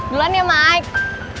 duluan ya mike